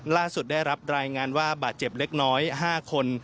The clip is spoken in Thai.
ได้รับรายงานว่าบาดเจ็บเล็กน้อย๕คน